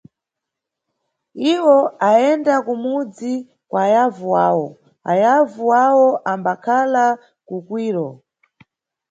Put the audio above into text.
Iwo ayenda kumudzi kwa yavu wawo, yavu wawo ambakhala kuKwiro.